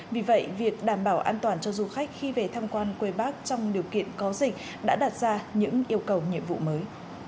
vì vậy việc đảm bảo an toàn cho du khách khi về tham quan quê bác trong điều kiện có dịch đã đặt ra những yêu cầu nhiệm vụ mới